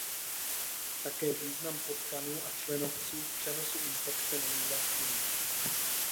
Také význam potkanů a členovců v přenosu infekce není jasný.